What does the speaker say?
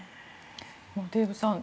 デーブさん